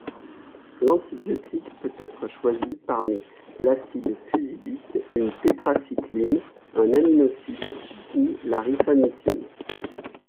L'antibiotique peut être choisi parmi l’acide fusidique, une tétracycline, un aminoside ou la rifamycine.